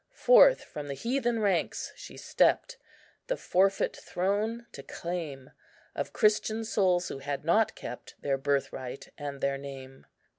"Forth from the heathen ranks she stepped The forfeit throne to claim Of Christian souls who had not kept Their birthright and their name.